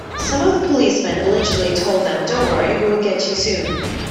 Some of the policemen allegedly told them, don't worry, we will get you soon!